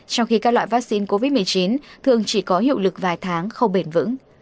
trong khi các loại vaccine covid một mươi chín thường chỉ có hiệu lực vài tháng không bền vững